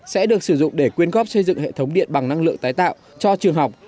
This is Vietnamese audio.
sẽ được sử dụng để quyên góp xây dựng hệ thống điện bằng năng lượng tái tạo cho trường học